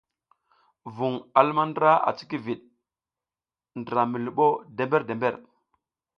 Vuƞ a luma ndra a cikivit ndra mi luɓo dember-dember.